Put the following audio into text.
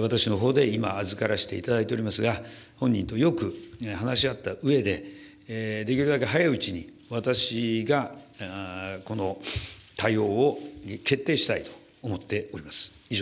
私のほうで今、預からせていただいておりますが、本人とよく話し合ったうえで、できるだけ早いうちに、私が、対応を決定したいと思っております。